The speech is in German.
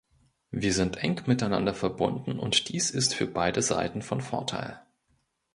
Wir sind eng miteinander verbunden, und dies ist für beide Seiten von Vorteil.